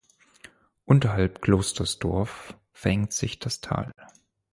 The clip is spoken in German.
Unterhalb Klosters Dorf verengt sich das Tal.